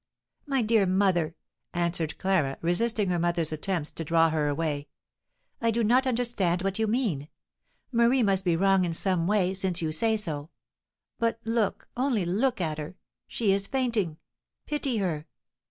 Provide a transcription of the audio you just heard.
"My dear mother," answered Clara, resisting her mother's attempts to draw her away, "I do not understand what you mean. Marie must be wrong in some way, since you say so! But look, only look at her she is fainting! Pity her!